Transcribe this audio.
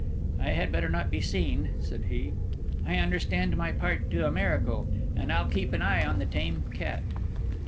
"I had better not be seen," said he. "I understand my part to a miracle, and I'll keep an eye on the Tame Cat."